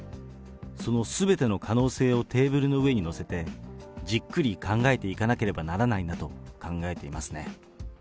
そのすべての可能性をテーブルの上に載せて、じっくり考えていかなければならないなと考えていますね。